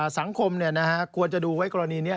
สังคมควรจะดูไว้กรณีนี้